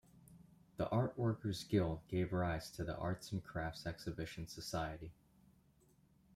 The Art Workers Guild gave rise to the Arts and Crafts Exhibition Society.